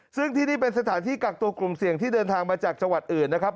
ซึ่งที่นี่เป็นสถานที่กักตัวกลุ่มเสี่ยงที่เดินทางมาจากจังหวัดอื่นนะครับ